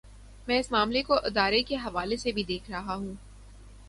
میں اس معاملے کو ادارے کے حوالے سے بھی دیکھ رہا ہوں۔